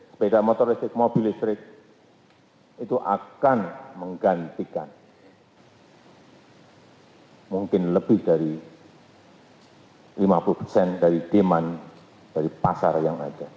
sepeda motor listrik mobil listrik itu akan menggantikan mungkin lebih dari lima puluh persen dari demand dari pasar yang ada